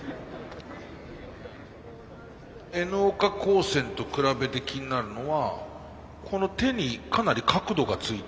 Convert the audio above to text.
Ｎ岡高専と比べて気になるのは手にかなり角度がついている。